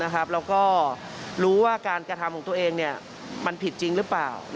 แล้วก็รู้ว่าการกระทำของตัวเองมันผิดจริงหรือเปล่า